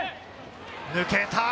抜けた。